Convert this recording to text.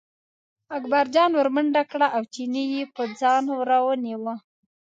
اکبرجان ور منډه کړه او چینی یې په ځان راونیوه.